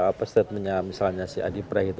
apa statementnya misalnya si adi prey